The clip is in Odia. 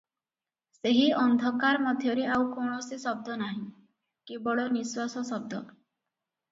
ସେହି ଅନ୍ଧକାର ମଧ୍ୟରେ ଆଉ କୌଣସି ଶବ୍ଦ ନାହିଁ, କେବଳ ନିଶ୍ୱାସ ଶବ୍ଦ।